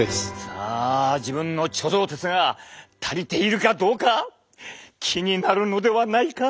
さあ自分の貯蔵鉄が足りているかどうか気になるのではないか？